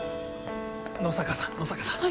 野坂さん野坂さん。